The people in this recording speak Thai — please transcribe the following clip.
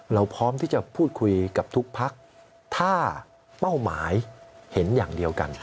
เราพร้อมที่จะพูดคุยกับทุกพักถ้าเป้าหมายเห็นอย่างเดียวกัน